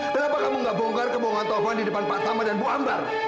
kenapa kamu gak bongkar kebohongan tokoan di depan pak tama dan bu ambar